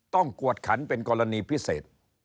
กวดขันเป็นกรณีพิเศษ